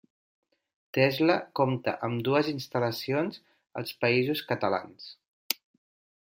Tesla compta amb dues instal·lacions als Països Catalans.